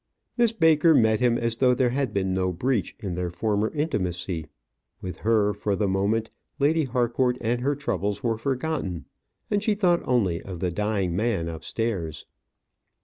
Miss Baker met him as though there had been no breach in their former intimacy. With her, for the moment, Lady Harcourt and her troubles were forgotten, and she thought only of the dying man upstairs.